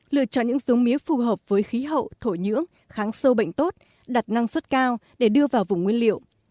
lựa chọn những giống mía phù hợp với khí hậu thổ nhưỡng kháng sâu bệnh tốt đặt năng suất cao để đưa vào vùng nguyên liệu